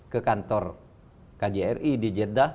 ke kantor kjri di jeddah